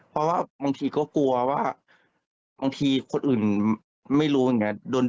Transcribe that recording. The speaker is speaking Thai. เพราะว่าบางทีก็กลัวว่าบางทีคนอื่นไม่รู้เหมือนกัน